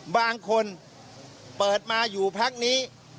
บางคนเปิดมาอยู่พักนี้